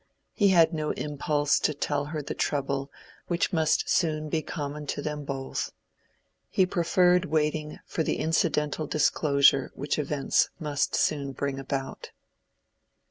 He had no impulse to tell her the trouble which must soon be common to them both. He preferred waiting for the incidental disclosure which events must soon bring about.